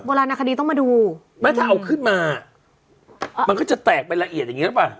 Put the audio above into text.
เวลานาคดีต้องมาดูไม่ถ้าเอาขึ้นมามันก็จะแตกไปละเอียดอย่างนี้หรือเปล่า